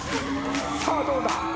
さあどうだ？